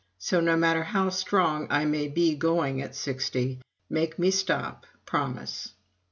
So, no matter how strong I may be going at sixty, make me stop promise."